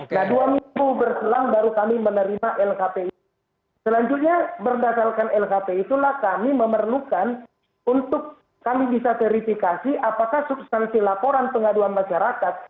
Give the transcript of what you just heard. nah dua minggu berselang baru kami menerima lhpi selanjutnya berdasarkan lhp itulah kami memerlukan untuk kami bisa verifikasi apakah substansi laporan pengaduan masyarakat